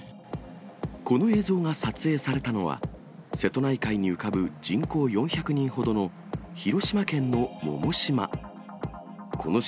この映像が撮影されたのは、瀬戸内海に浮かぶ人口４００人ほどの広島県の百島。